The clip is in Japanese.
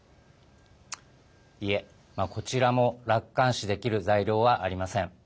いえ、こちらも楽観視できる材料はありません。